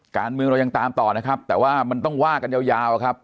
การเมืองเรายังตามต่อนะครับแต่ว่ามันต้องว่ากันยาวครับ